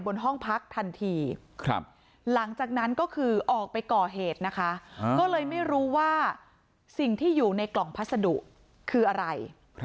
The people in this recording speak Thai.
บนห้องพักทันทีหลังจากนั้นก็คือออกไปก่อเหตุนะคะก็เลยไม่รู้ว่าสิ่งที่อยู่ในกล่องพัสดุคืออะไร